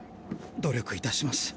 努力いたします。